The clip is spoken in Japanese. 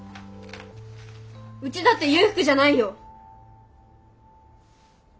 うちだって裕福じゃないよ！